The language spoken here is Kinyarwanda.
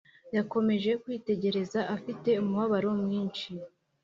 yakomeje kwitegereza afite umubabaro mwinshi